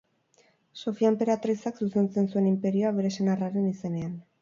Sofia enperatrizak zuzentzen zuen inperioa bere senarraren izenean.